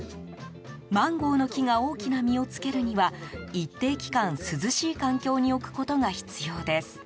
マンゴーの木が大きな実をつけるには一定期間、涼しい環境に置くことが必要です。